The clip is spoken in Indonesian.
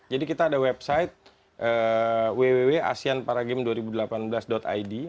jadi kita ada website www asianparagames dua ribu delapan belas id